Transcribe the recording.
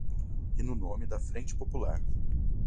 E no nome da Frente Popular!